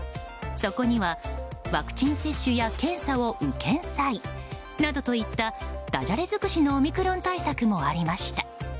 そこにはワクチン接種や検査を受けんさいなどといったダジャレ尽くしのオミクロン対策もありました。